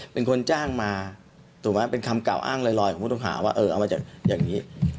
เป็นคนจ้างมาถูกไหมเป็นคำกล่าวอ้างลอยของผู้ต้องหาว่าเออเอามาจากอย่างนี้